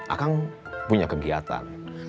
akang punya kegiatan